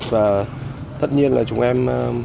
và tất nhiên là chúng em